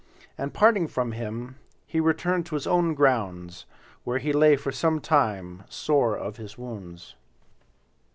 And parting from. him, he returned to his own grounds, where he lay for some time sore of his wounds.